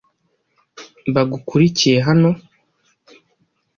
Bagukurikiye hano.